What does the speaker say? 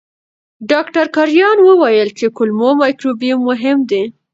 ډاکټر کرایان وویل چې کولمو مایکروبیوم مهم دی.